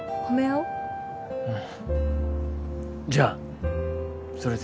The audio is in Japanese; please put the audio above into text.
うん